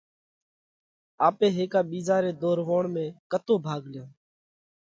آپي هيڪا ٻِيزا رِي ۮوروَوڻ ۾ ڪتو ڀاڳ ليونه؟